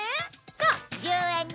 そう１０円で！